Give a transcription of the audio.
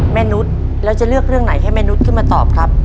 นุษย์แล้วจะเลือกเรื่องไหนให้แม่นุษย์ขึ้นมาตอบครับ